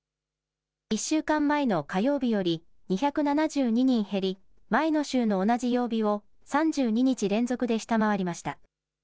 １週間前の火曜日より２７２人減り、前の週の同じ曜日を３２日連続で下回りました。